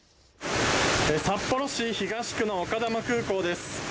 札幌市東区の丘珠空港です。